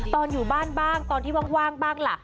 ตอนอยู่บ้านบ้างตอนที่ว่างบ้างล่ะ